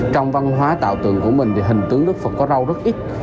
trong văn hóa tạo tường của mình thì hình tướng đức phật có râu rất ít